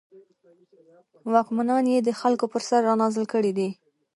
واکمنان یې د خلکو پر سر رانازل کړي دي.